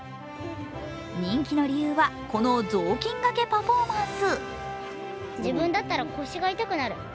人気の理由は、この雑巾がけパフォーマンス。